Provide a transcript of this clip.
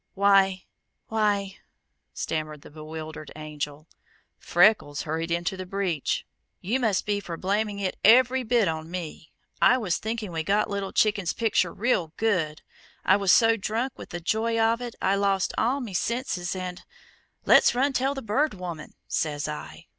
"Why, why " stammered the bewildered Angel. Freckles hurried into the breach. "You must be for blaming it every bit on me. I was thinking we got Little Chicken's picture real good. I was so drunk with the joy of it I lost all me senses and, 'Let's run tell the Bird Woman,' says I.